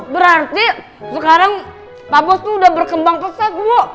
berarti sekarang pak bos udah berkembang pesat bu